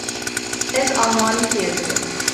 Ez almanî fêr dibim.